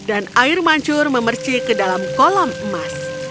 dan air mancur memerci ke dalam kolam emas